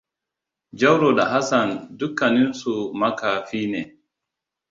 Jauro da Hassan dukkaninsu makafi ne.